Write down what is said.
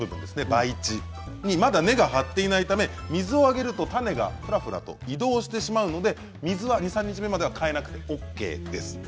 培地にまだ根が張っていないため水をあげると種がフラフラと移動してしまうので水は２、３日目までは替えなくて結構です。